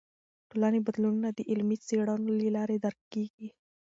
ټولنې بدلونونه د علمي څیړنو له لارې درک کیږي.